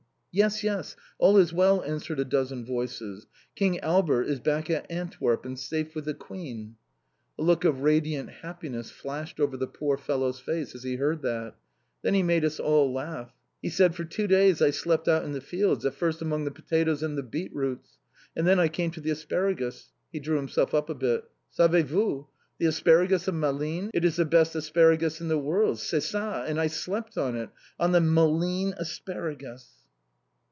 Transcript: "Yes, yes, all is well," answered a dozen voices. "King Albert is back at Antwerp, and safe with the Queen!" A look of radiant happiness flashed over the poor fellow's face as he heard that. Then he made us all laugh. He said: "For two days I slept out in the fields, at first among the potatoes and the beet roots. And then I came to the asparagus." He drew himself up a bit. "Savez vous? The asparagus of Malines! It is the best asparagus in the world? _C'est ça! AND I SLEPT ON IT, ON THE MALINES ASPARAGUS!